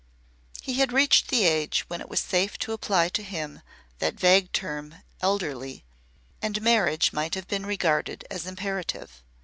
He had reached the age when it was safe to apply to him that vague term "elderly," and marriage might have been regarded as imperative.